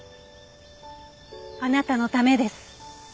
あなたのためです。